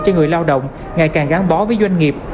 cho người lao động ngày càng gắn bó với doanh nghiệp